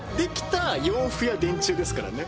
「洋服や電柱」ですからね